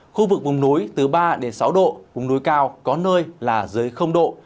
khu vực vùng núi từ ba đến sáu độ vùng núi cao có nơi là dưới độ